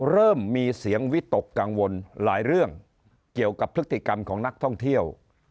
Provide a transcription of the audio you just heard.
เริ่มมีเสียงวิตกกังวลหลายเรื่องเกี่ยวกับพฤติกรรมของนักท่องเที่ยว